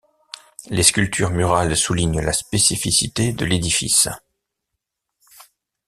Les sculptures murales soulignent la spécificité de l'édifice.